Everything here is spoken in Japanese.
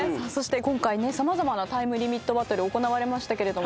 そして今回様々なタイムリミットバトル行われました。